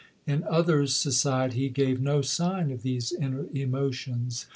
In others' society he gave no sign of these inner emotions.